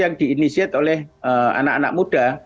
yang di initiate oleh anak anak muda